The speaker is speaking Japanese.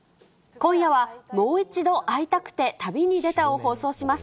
今夜は、もう一度、逢いたくて旅にでた。を放送します。